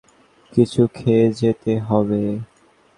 কিছু খেয়ে যেতে হবে।